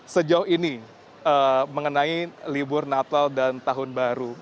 sejauh ini mengenai libur natal dan tahun baru